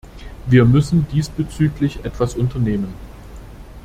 Wir müssen diesbezüglich etwas unternehmen.